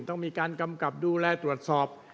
ต้องมีการกำกับดูแลตรวจสอบ